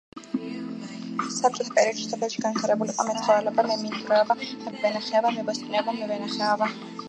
საბჭოთა პერიოდში სოფელში განვითარებული იყო მეცხოველეობა, მემინდვრეობა, მებაღეობა, მებოსტნეობა, მევენახეობა.